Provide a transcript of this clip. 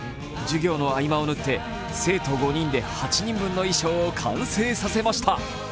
授業の合間を縫って、生徒５人で８人分の衣装を完成させました。